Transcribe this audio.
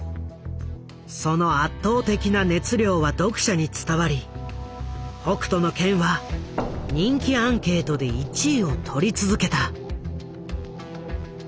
その圧倒的な熱量は読者に伝わり「北斗の拳」は人気アンケートで１位をとり続けた。